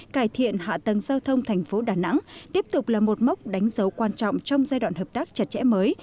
cải thiện hạ tầng giao thông thành phố đà nẵng tiếp tục là một mốc đánh dấu quan trọng trong giai đoạn hợp tác chặt chẽ mới